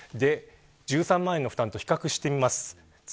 １３万円の負担と比較してみます。